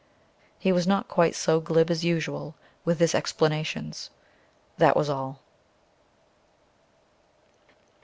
He was not quite so glib as usual with his explanations. That was all.